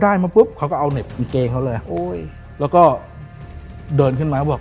มาปุ๊บเขาก็เอาเหน็บกางเกงเขาเลยโอ้ยแล้วก็เดินขึ้นมาเขาบอก